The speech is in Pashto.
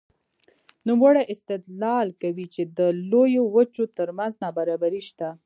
نوموړی استدلال کوي چې د لویو وچو ترمنځ نابرابري شته.